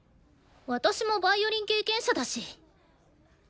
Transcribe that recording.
私もヴァイオリン経験者だし。